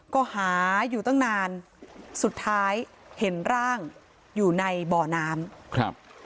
ก็หาอยู่ตั้งนานสุดท้ายเห็นร่างอยู่ในบ่อน้ำครับ